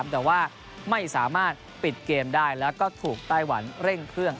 แต่ว่าไม่สามารถปิดเกมได้แล้วก็ถูกไต้หวันเร่งเครื่อง